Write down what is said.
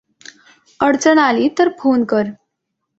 अडचण आली तर फोन कर.